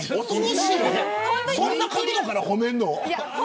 そんな角度から褒めるの。